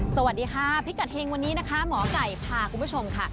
สวัสดีค่ะพิกัดเฮงวันนี้นะคะหมอไก่พาคุณผู้ชมค่ะ